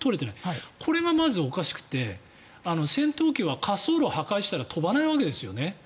これがまずおかしくて戦闘機は滑走路を破壊したら飛ばないわけですよね。